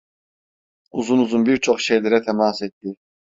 Uzun uzun birçok şeylere temas etti.